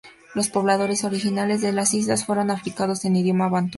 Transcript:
Los pobladores originales de las islas fueron africanos de idioma bantú.